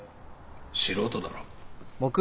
素人だろ。